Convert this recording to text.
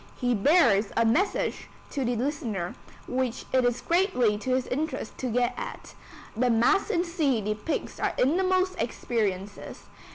He bears a message to the listener, which it is greatly to his interest to get at. The Mass in C depicts our innermost experiences.